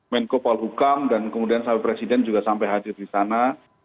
menko polhukam dan kemudian sampai presiden juga sampai hadir di sana